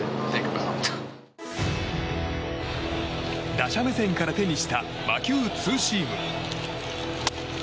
打者目線から手にした魔球ツーシーム。